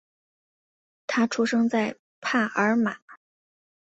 他出生在帕尔马。